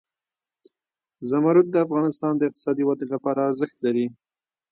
زمرد د افغانستان د اقتصادي ودې لپاره ارزښت لري.